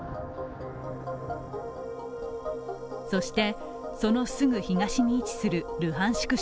そして、そのすぐ東に位置するルハンシク